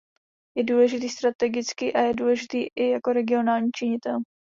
Je důležitý strategicky a je důležitý i jako regionální činitel.